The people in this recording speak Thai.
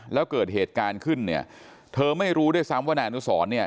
แล้วเกิดเหตุการณ์ขึ้นเนี่ยเธอไม่รู้ด้วยซ้ำว่านายอนุสรเนี่ย